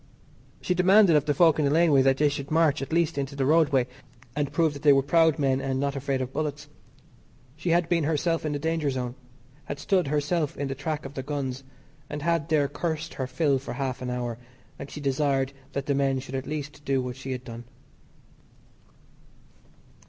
She demanded of the folk in the laneway that they should march at least into the roadway and prove that they were proud men and were not afraid of bullets. She had been herself into the danger zone. Had stood herself in the track of the guns, and had there cursed her fill for half an hour, and she desired that the men should do at least what she had done.